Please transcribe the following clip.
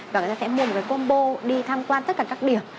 và người ta sẽ mua một cái combo đi tham quan tất cả các điểm